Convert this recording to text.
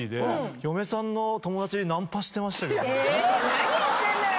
何やってんのよ